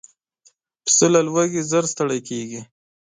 پسه له لوږې ژر ستړی کېږي.